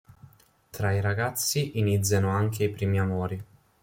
Tra i ragazzi iniziano anche i primi amori.